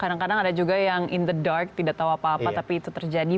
kadang kadang ada juga yang in the dark tidak tahu apa apa tapi itu terjadi